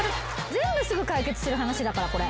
全部すぐ解決する話だからこれ。